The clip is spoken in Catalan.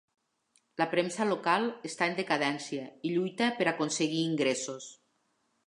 La premsa local està en decadència i lluita per aconseguir ingressos.